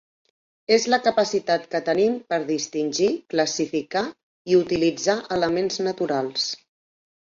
És la capacitat que tenim per distingir, classificar i utilitzar elements naturals.